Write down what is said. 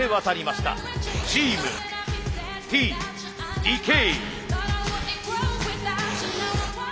チームＴ・ＤＫ。